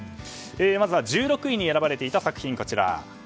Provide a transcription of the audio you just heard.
まずは１６位に選ばれていた作品です。